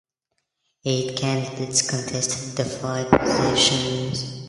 Eight candidates contested the five positions.